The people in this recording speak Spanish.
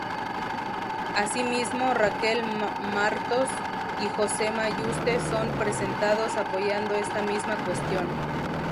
Asimismo, Raquel Martos y Josema Yuste son presentados apoyando esta misma cuestión.